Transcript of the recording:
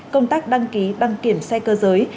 công tác đăng ký đăng kiểm xe cơ giới